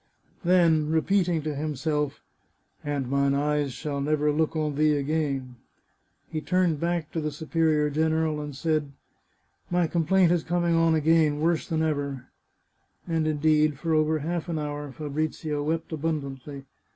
Then, repeating to himself, " And my eyes shall never look on thee again" he turned back to the superior general and said :" My complaint is coming on again, worse than ever." 496 The Chartreuse of Parma And, indeed, for over half an hour Fabrizio wept abun dantly.